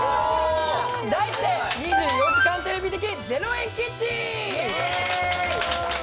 題して、２４時間テレビ的０円キッチン。イエーイ！